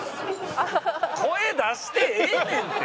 声出してええねんって！